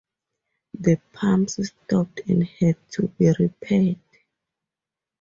The pumps stopped and had to be repaired.